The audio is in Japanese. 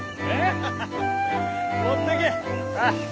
えっ？